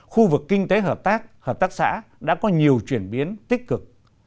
khu vực kinh tế hợp tác hợp tác xã đã có nhiều chuyển biến tích cực